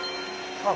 あっ！